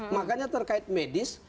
makanya terkait medis